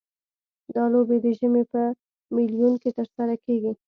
دا لوبې د ژمي په میلوں کې ترسره کیږي